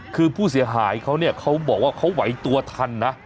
คือผู้เสียหายเขาเนี่ยเขาบอกว่าเขาไหวตัวทันนะ